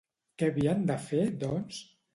Què havien de fer, doncs?